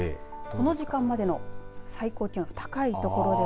この時間までの最高気温高い所では。